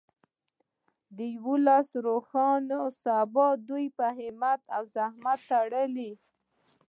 د یو ولس روښانه سبا د دوی په همت او زحمت پورې تړلې.